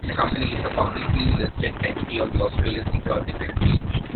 The company is a publicly listed entity on the Australian Securities Exchange.